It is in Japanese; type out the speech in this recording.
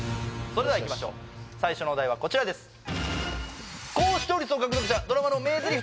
それではいきましょう最初のお題はこちらです